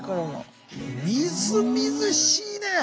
みずみずしいね！